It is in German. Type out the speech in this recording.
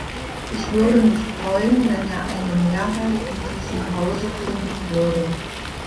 Ich würde mich freuen, wenn er eine Mehrheit in diesem Hause finden würde.